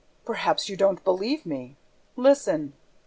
Perhaps you don't believe me? Listen."